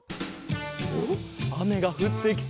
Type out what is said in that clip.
おっあめがふってきそうだ。